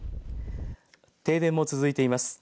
停電も続いています。